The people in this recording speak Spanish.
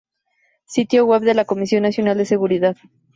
Sitio web de la Comisión Nacional de Seguridad